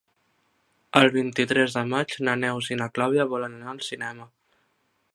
El vint-i-tres de maig na Neus i na Clàudia volen anar al cinema.